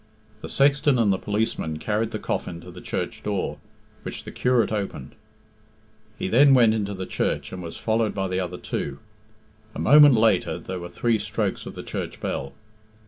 The sexton and the policeman carried the coffin to the church door, which the curate opened. He then went into the church, and was followed by the other two. A moment later there were three strokes of the church bell.